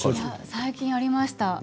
最近ありました。